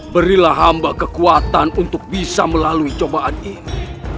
berilah hamba kekuatan untuk bisa melalui cobaan ini